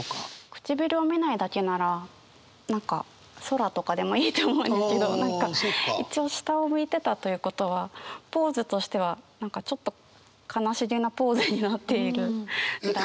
くちびるを見ないだけなら何か空とかでもいいと思うんですけど何か一応下を向いてたということはポーズとしては何かちょっとえっ悲しいと笑けるタイプ？